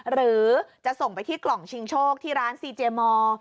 หรือจะส่งไปที่กล่องชิงโชคที่ร้านซีเจมอร์